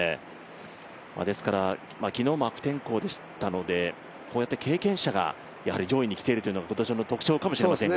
昨日も悪天候でしたのでこうやって経験者が上位に来ているというのが今年の特徴かもしれませんが。